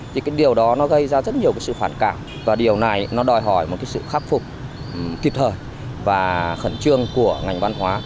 thì cái điều đó nó gây ra rất nhiều cái sự phản cảm và điều này nó đòi hỏi một cái sự khắc phục kịp thời và khẩn trương của ngành văn hóa